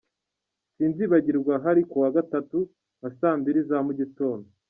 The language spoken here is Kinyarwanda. Sinzabyibagirwa hari ku wa gatatu nka saa mbili za mu gitondo.